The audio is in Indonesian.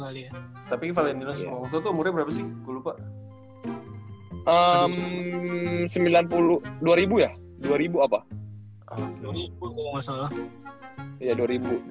tapi ini valentino songso tuh umurnya berapa sih gue lupa